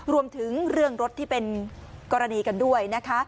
รวมถึงเรื่องรถที่เป็นกรณีกันด้วยนะคะ